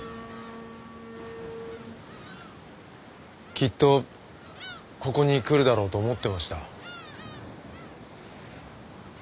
きっとここに来るだろうと思ってました。